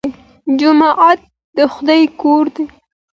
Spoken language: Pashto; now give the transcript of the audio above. جومات د خدای کور دی